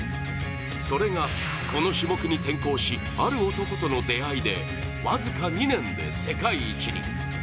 それがこの種目に転向し、ある男との出会いで僅か２年で世界一に。